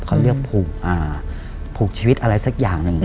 เขาเรียกผูกชีวิตอะไรสักอย่างหนึ่ง